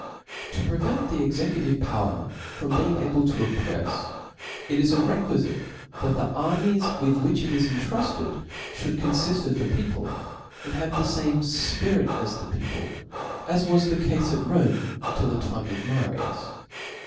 To prevent the executive power from being able to opprefs, it is requiflte that the armies with which it is entrqfted fliould confift of the peo* pie, and have the fame fpirit as the people, as was the cafe at Rome till the time of Marius.